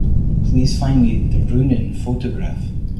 Please find me the Rounin photograph.